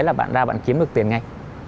là bạn ra bạn kiếm được tiền ngay